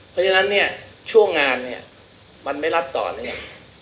เพราะฉะนั้นเนี่ยช่วงงานเนี่ยมันไม่รับต่อเนื่อง